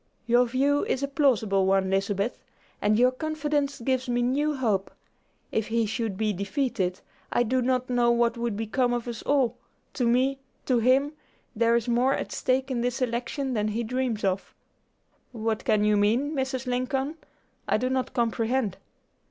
"Your view is a plausible one, Lizabeth, and your confidence gives me new hope. If he should be defeated, I do not know what would become of us all. To me, to him, there is more at stake in this election than he dreams of." "What can you mean, Mrs. Lincoln? I do not comprehend."